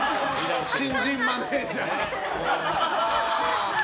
新人マネジャー。